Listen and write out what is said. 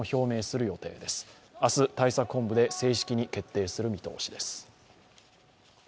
明日、対策本部で正式に決定する見通しです。